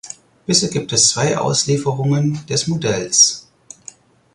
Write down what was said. Bisher gibt es zwei Auslieferungen des Modells.